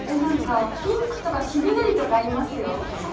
ピンクとか黄緑とかありますよ。